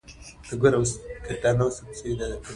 د نجونو زده کړه ټولنیز عدالت تامینوي.